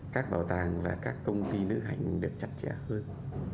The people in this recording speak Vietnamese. các bảo tàng và các công ty lữ hành được chặt chẽ hơn